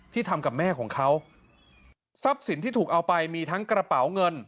ทำกับแม่ของเขาทรัพย์สินที่ถูกเอาไปมีทั้งกระเป๋าเงิน